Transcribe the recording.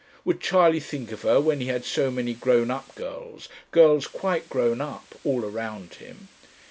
Would Charley think of her when he had so many grown up girls, girls quite grown up, all around him?